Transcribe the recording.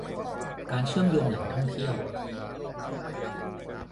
การเชื่อมโยงแหล่งท่องเที่ยว